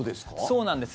そうなんです。